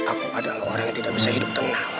aku adalah orang yang tidak bisa hidup tenang